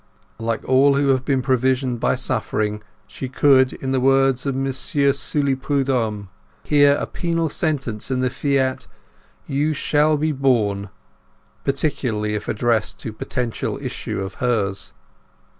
Like all who have been previsioned by suffering, she could, in the words of M. Sully Prudhomme, hear a penal sentence in the fiat, "You shall be born," particularly if addressed to potential issue of hers.